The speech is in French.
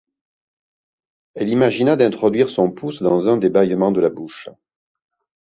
Elle imagina d’introduire son pouce dans un des bâillements de la bouche.